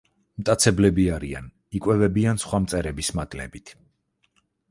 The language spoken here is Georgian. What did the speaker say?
მტაცებლები არიან, იკვებებიან სხვა მწერების მატლებით.